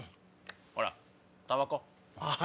ほらたばこ。